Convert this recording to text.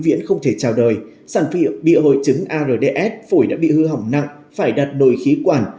viễn không thể chào đời sản phị bị hội chứng ards phổi đã bị hư hỏng nặng phải đặt đồi khí quản